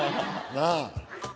なあ。